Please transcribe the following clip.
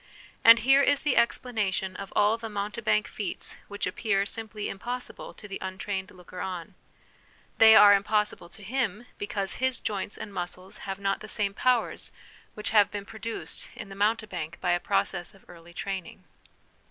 And here is the explanation of all the mountebank feats which appear simply impossible to the untrained looker on. They are impossible to him, because his joints and muscles have not the same powers which 'HABIT IS TEN NATURES' 113 have been produced in the mountebank by a process of early training".